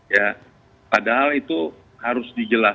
ya padahal itu harus dijelaskan